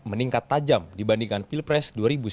meningkat tajam dibandingkan pilpres dua ribu sembilan belas